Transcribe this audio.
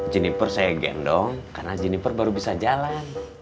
jiniper saya gendong karena jiniper baru bisa jalan